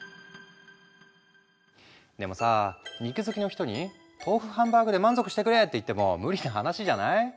でもさ肉好きの人に豆腐ハンバーグで満足してくれって言っても無理な話じゃない？